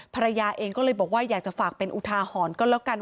ภรรยาเองก็เลยบอกว่าอยากจะฝากเป็นอุทาหรณ์ก็แล้วกัน